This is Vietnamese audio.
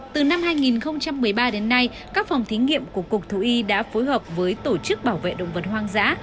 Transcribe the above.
từ năm hai nghìn một mươi ba đến nay các phòng thí nghiệm của cục thú y đã phối hợp với tổ chức bảo vệ động vật hoang dã